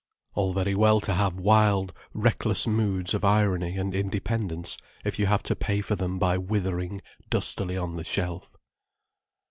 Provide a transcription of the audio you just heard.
All very well to have wild, reckless moods of irony and independence, if you have to pay for them by withering dustily on the shelf.